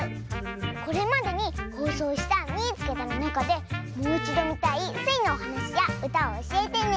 これまでにほうそうした「みいつけた！」のなかでもういちどみたいスイのおはなしやうたをおしえてね！